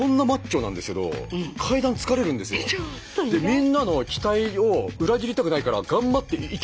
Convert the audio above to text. みんなの期待を裏切りたくないから階段上ったあと。